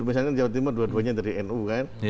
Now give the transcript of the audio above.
misalnya jawa timur dua duanya dari nu kan